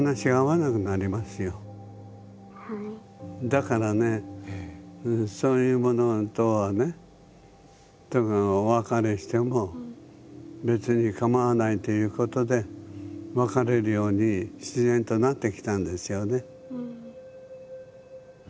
だからねそういうものとはねお別れしても別にかまわないということで別れるように自然となってきたんですよね。